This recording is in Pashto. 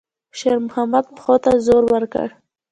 شېرمحمد پښو ته زور ورکړ.